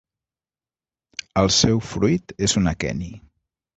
El seu fruit és un aqueni.